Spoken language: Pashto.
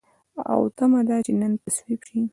او تمه ده چې نن تصویب شي.